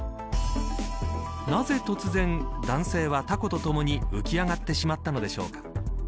なぜ突然、男性はたことともに浮き上がってしまったのでしょうか。